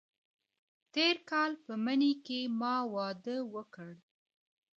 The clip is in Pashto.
تېر کال په مني کې ما واده وکړ.